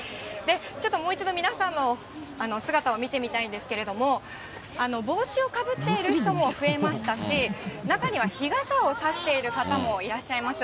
ちょっともう一度、皆さんの姿を見てみたいんですけれども、帽子をかぶっている人も増えましたし、中には日傘を差している方もいらっしゃいます。